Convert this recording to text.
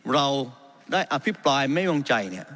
เราได้อภิปัยไม่วงใจ